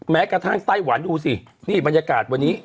แม้กระทั่งไต้หวันดูสินี่บรรยากาศวันนี้